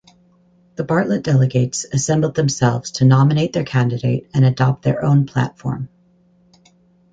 The Bartlett delegates assembled themselves to nominate their candidate and adopt their own platform.